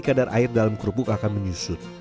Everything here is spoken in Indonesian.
kadar air dalam kerupuk akan menyusut